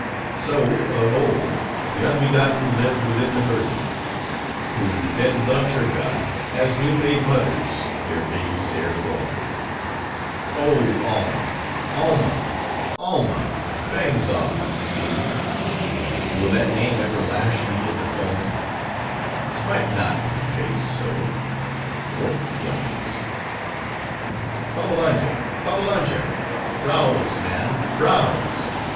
'—So, of old, the unbegotten lived within the virgin; who then loved her God, as new made mothers their babes ere born. Oh, Alma, Alma, Alma!—Fangs off, fiend!—will that name ever lash thee into foam?—Smite not my face so, forked flames!" "Babbalanja! Babbalanja! rouse, man! rouse!